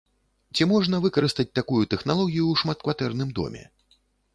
Ці можна выкарыстаць такую тэхналогію ў шматкватэрным доме?